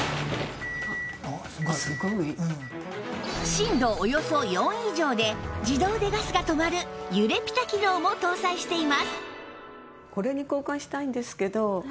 震度およそ４以上で自動でガスが止まる揺れピタ機能も搭載しています